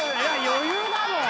余裕だもん！